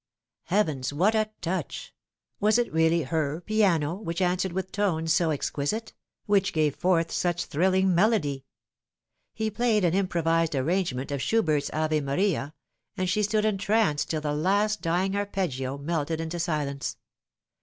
Heavens, what a touch ! Was it really her piano which answered with tones so exquisite which gave forth such thrill ing melody? He played an improvised arrangement of Schubert's " Ave Maria," and she stood entranced till the last dying arpeggio melted into silence.